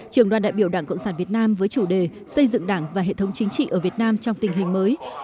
trường đoàn đại biểu đảng cộng sản việt nam với chủ đề xây dựng đảng và hệ thống chính trị ở việt nam trong tình hình mới